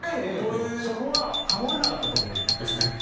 そこはハモれなかったところですね。